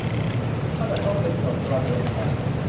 ตั้งแต่ต้นจนจบกระบวนการ